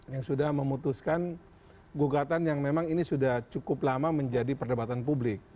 yang sudah memutuskan gugatan yang memang ini sudah cukup lama menjadi perdebatan publik